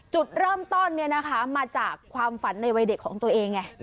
จุดเริ่มต้อนเนี่ยนะคะมาจากความฝันในวัยเด็กของตัวเอง